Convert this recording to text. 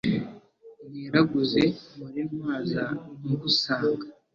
nteraguze, mpore ntwaza ngusanga